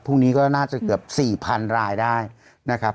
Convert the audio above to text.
พรุ่งนี้ก็น่าจะเกือบ๔๐๐๐รายได้นะครับ